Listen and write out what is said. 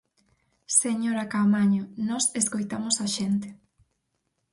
Señora Caamaño, nós escoitamos a xente.